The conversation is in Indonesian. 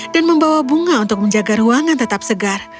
dan membawa bunga untuk menjaga ruangan tetap segar